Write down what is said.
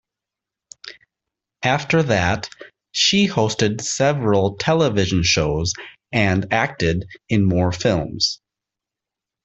After that, she hosted several television shows and acted in more films.